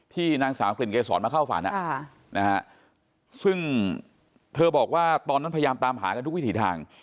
นางสาวกลิ่นเกษรมาเข้าฝันซึ่งเธอบอกว่าตอนนั้นพยายามตามหากันทุกวิถีทาง